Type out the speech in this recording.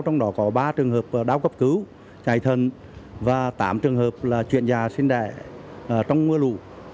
trong đó có ba trường hợp đau cấp cứu chạy thần và tám trường hợp là chuyển già sinh đẻ trong mưa lũ